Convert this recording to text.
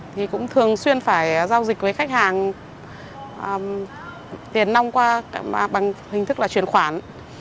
thì cũng thường xuyên phải giao dịch với khách hàng tiền nông qua bằng hình thức là chuyển khoản